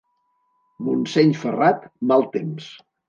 Montseny ferrat, mal temps.